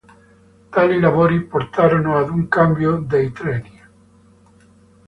Tali lavori portarono ad un cambio dei treni.